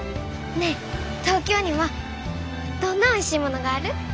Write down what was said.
ねえ東京にはどんなおいしいものがある？